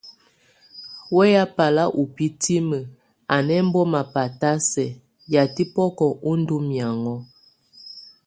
Weya balʼ ó bitíbini, a nʼ émbɔmɔ batʼ á sɛk yatɛ́ bɔkɔ ó ndo miaŋo.